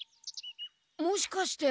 もしかして。